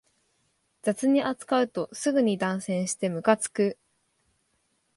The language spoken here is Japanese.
雑に扱うとすぐに断線してムカつく